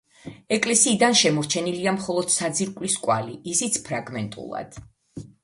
ეკლესიიდან შემორჩენილია მხოლოდ საძირკვლის კვალი, ისიც ფრაგმენტულად.